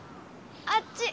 あっち。